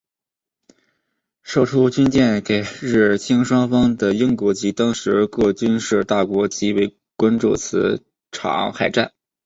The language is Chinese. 售出军舰给日清双方的英国及当时各军事大国极为关注此场海战。